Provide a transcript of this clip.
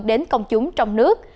đến công chúng trong nước